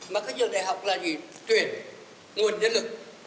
mà các trường đại học là gì tuyển nguồn nhân lực